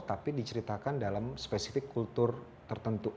tapi diceritakan dalam spesifik kultur tertentu